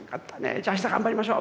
じゃあした頑張りましょう！